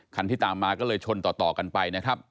ที่ตามมาก็เลยชนต่อกันไปนะครับ